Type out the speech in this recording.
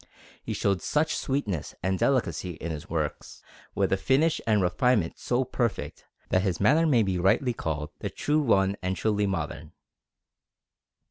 He showed such sweetness and delicacy in his works, with a finish and a refinement so perfect, that his manner may be rightly called the true one and truly modern.